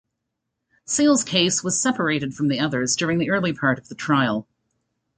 Seale's case was separated from the others during the early part of the trial.